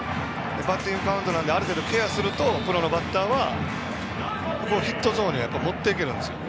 バッティングカウントなのである程度ケアするとプロのバッターはヒットゾーンに持っていけるんですよ。